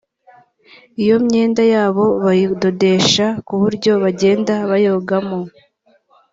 Iyo myenda yabo bayidodesha ku buryo bagenda bayogamo